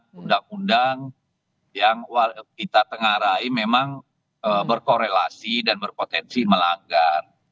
undang undang yang kita tengah rai memang berkorelasi dan berpotensi melanggar